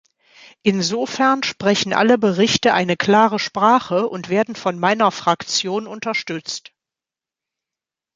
Insofern sprechen alle Berichte eine klare Sprache und werden von meiner Fraktion unterstützt.